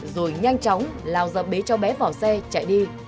rồi nhanh chóng lao dập bế cháu bé vào xe chạy đi